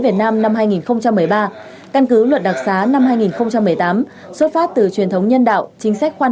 việt nam năm hai nghìn một mươi ba căn cứ luật đặc xá năm hai nghìn một mươi tám xuất phát từ truyền thống nhân đạo chính sách khoan